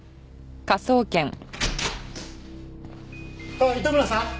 あっ糸村さん。